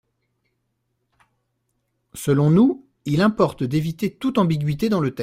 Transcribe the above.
Selon nous, il importe d’éviter toute ambiguïté dans le texte.